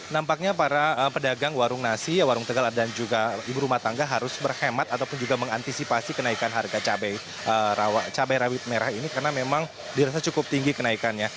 nampaknya para pedagang warung nasi warung tegal dan juga ibu rumah tangga harus berhemat ataupun juga mengantisipasi kenaikan harga cabai rawit merah ini karena memang dirasa cukup tinggi kenaikannya